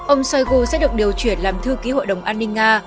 ông shoigu sẽ được điều chuyển làm thư ký hội đồng an ninh nga